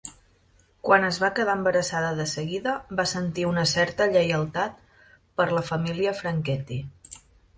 Quan es va quedar embarassada de seguida, va sentir una certa lleialtat per la família Franchetti.